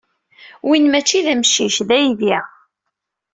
Win maci d amcic, d aydi.